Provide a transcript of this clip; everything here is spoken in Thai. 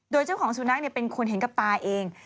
โดยเจ้าของสุนัขเป็นคนเห็นกับตาเอง